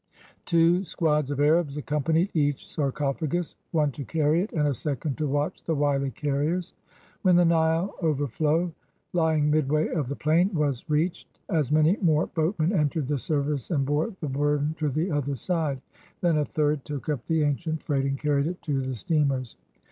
"Two squads of Arabs accompanied each sarcophagus — one to carry it and a second to watch the wily carriers. When the Nile overflow, lying midway of the plain, was reached, as many more boatmen entered the service and bore the burden to the other side. Then a third took up the ancient freight and carried it to the steamers.